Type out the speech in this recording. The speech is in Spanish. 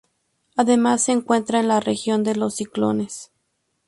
Además, se encuentra en la región de los ciclones.